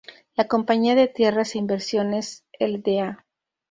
La Compañía de Tierras e Inversiones Lda.